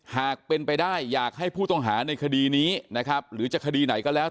หากเป็นไปได้อยากให้ผู้ต้องหาในคดีนี้นะครับหรือจะคดีไหนก็แล้ว